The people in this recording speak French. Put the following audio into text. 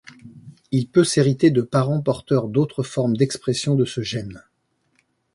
Il peut s'hériter de parents porteurs d'autres formes d'expression de ce gène.